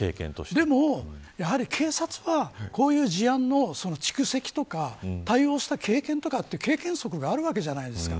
でも、警察はこういう事案の蓄積とか対応した経験則があるわけじゃないですか。